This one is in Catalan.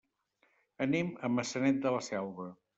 Anem a Maçanet de la Selva.